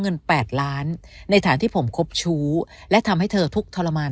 เงิน๘ล้านในฐานที่ผมคบชู้และทำให้เธอทุกข์ทรมาน